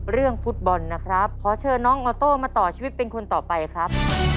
เรื่องฟุตบอลนะครับขอเชิญน้องออโต้มาต่อชีวิตเป็นคนต่อไปครับ